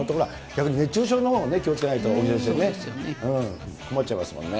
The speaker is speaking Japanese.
逆に熱中症のほうを気をつけないとですよね。